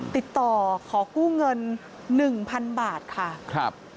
ติดต่อขอกู้เงิน๑๐๐๐บาทค่ะครับ